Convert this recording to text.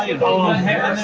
tidak ini untuk energi